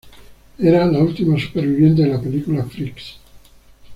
Era la última superviviente de la película Freaks.